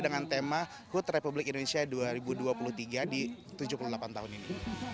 dengan tema hud republik indonesia dua ribu dua puluh tiga di tujuh puluh delapan tahun ini